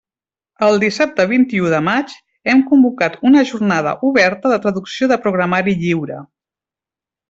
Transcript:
El dissabte vint-i-u de maig hem convocat una Jornada oberta de traducció de programari lliure.